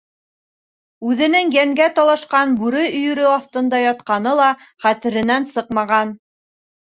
Үҙенең йәнгә талашҡан бүре өйөрө аҫтында ятҡаны ла хәтеренән сыҡмаған.